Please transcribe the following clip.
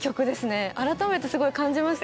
改めてすごい感じました。